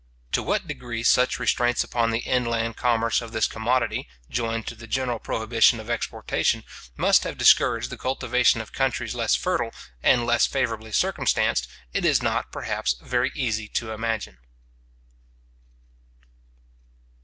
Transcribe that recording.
To what degree such restraints upon the inland commerce of this commodity, joined to the general prohibition of exportation, must have discouraged the cultivation of countries less fertile, and less favourably circumstanced, it is not, perhaps, very easy to imagine.